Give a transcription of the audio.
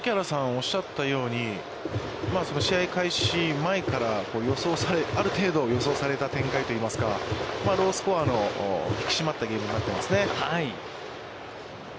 おっしゃったように、試合開始前からある程度予想された展開といいますか、ロースコアの引き締まったゲームになっていますね。